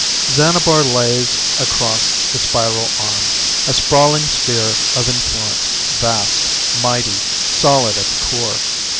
_ Xanabar lays across the Spiral Arm, a sprawling sphere of influence vast, mighty, solid at the core.